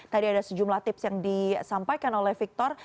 tadi ada sejumlah tips yang disampaikan oleh victor